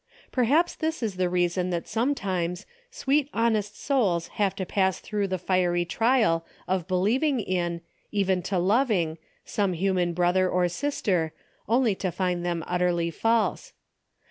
Perhaps this is the reason that sometimes, sweet honest souls have to pass through the fiery trial of believing in, even to loving, some human brother or sister, only to find them utterly false.